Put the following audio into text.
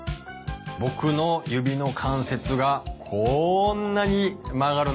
ボクの指の関節がこんなに曲がるんだよ。